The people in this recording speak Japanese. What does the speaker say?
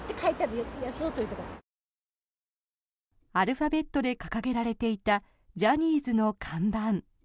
アルファベットで掲げられていたジャニーズの看板。